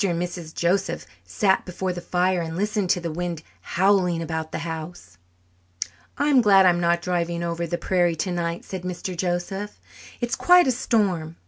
and Mrs. Joseph sat before the fire and listened to the wind howling about the house. "I'm glad I'm not driving over the prairie tonight," said Mr. Joseph. "It's quite a storm.